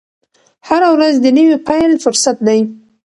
هره ورځ د نوي پیل فرصت دی.